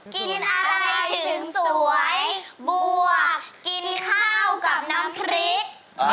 กินอะไรถึงสวยบัวกินข้าวกับน้ำพริก